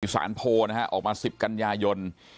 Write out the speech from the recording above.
สารโพลนะฮะออกมาสิบกัญญาณยนต์